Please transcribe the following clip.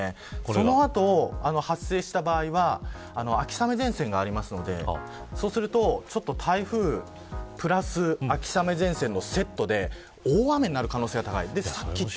その後、発生した場合は秋雨前線がありますのでそうすると台風プラス秋雨前線のセットで大雨になる可能性が高い。